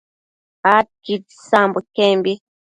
adquid isambo iquembi